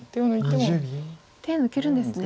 手抜けるんですね。